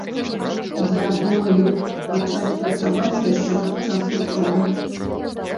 Я думаю пачаць працаваць яшчэ падчас вучобы.